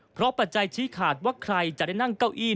เพราะปัจจัยชี้ขาดว่าใครจะได้นั่งเก้าอี้